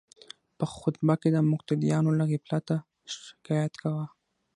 په خطبه کې د مقتدیانو له غفلته شکایت کاوه.